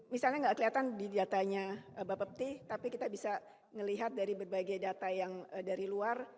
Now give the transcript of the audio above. misalnya nggak kelihatan di datanya bapak pepti tapi kita bisa melihat dari berbagai data yang dari luar